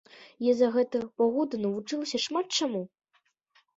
Я за гэтыя паўгода навучылася шмат чаму.